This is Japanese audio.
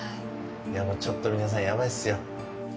ちょっと皆さん、やばいっすよ。